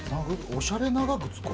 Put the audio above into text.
おしゃれ長靴か？